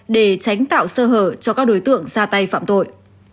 để tránh tạo sơ hở cho các đối tượng ra tay phạm tội